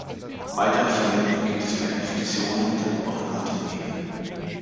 Weitere Verwendung gibt es bei Infektionen der oberen Atemwege.